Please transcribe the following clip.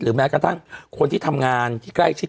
แม้กระทั่งคนที่ทำงานที่ใกล้ชิด